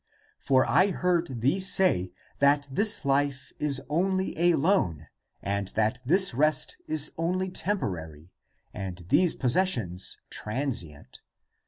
For I heard thee say that this life is only a loan, and that this rest is only temporary and these possessions transient.